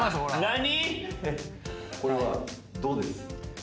何？